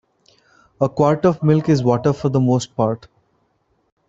A quart of milk is water for the most part.